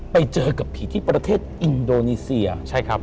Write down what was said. ไปเจอกับผีที่ประเทศอินโดนีเซีย